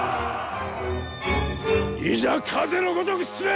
いざ風の如く進め！